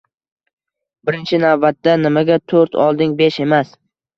Birinchi navbatda, “Nimaga to‘rt olding, besh emas?”